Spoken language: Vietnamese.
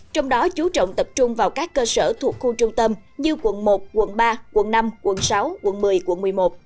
trong đó chú trọng tập trung vào các cơ sở thuộc khu trung tâm như quận một quận ba quận năm quận sáu quận một mươi quận một mươi một